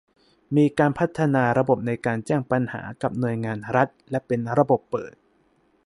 มีการพัฒนาระบบในการแจ้งปัญหากับหน่วยงานรัฐและเป็นระบบเปิด